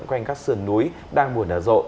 quanh các sườn núi đang buồn ở rộ